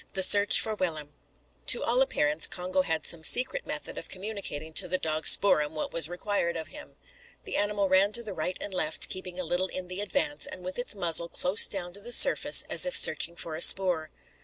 THE SEARCH FOR WILLEM. To all appearance, Congo had some secret method of communicating to the dog Spoor'em what was required of him. The animal ran to the right and left, keeping a little in the advance, and with its muzzle close down to the surface, as if searching for a spoor.